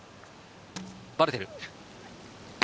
バルテル。